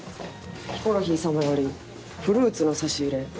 ヒコロヒー様よりフルーツの差し入れ。